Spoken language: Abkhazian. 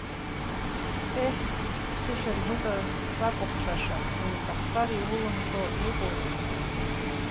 Еҳ, зхьышьаргәыҵа сакәыхшаша, иуҭаххар иулымшо иҟоузеи!